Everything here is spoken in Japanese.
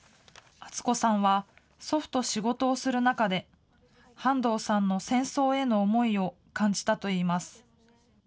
淳子さんは、祖父と仕事をする中で、半藤さんの戦争への思いを感じたといいます。